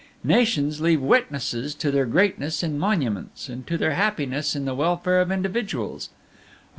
"Nations leave witnesses to their greatness in monuments, and to their happiness in the welfare of individuals.